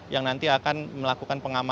yang nanti akan melakukan pengamanan